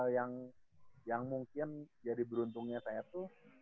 yang mungkin jadi beruntungnya saya tuh